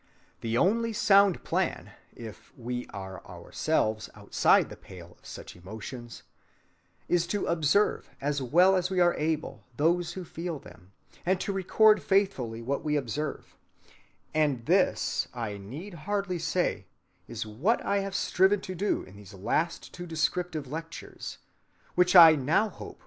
The only sound plan, if we are ourselves outside the pale of such emotions, is to observe as well as we are able those who feel them, and to record faithfully what we observe; and this, I need hardly say, is what I have striven to do in these last two descriptive lectures, which I now hope will have covered the ground sufficiently for our present needs.